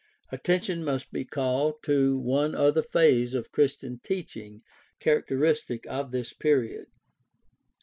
Attention must be called to one other phase of Christian teaching characteristic of this period.